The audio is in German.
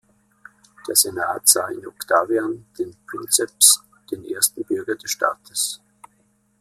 Der Senat sah in Octavian den „Princeps“, den „Ersten Bürger des Staates“.